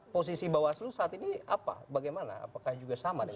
posisi bawaslu saat ini apa bagaimana apakah juga sama dengan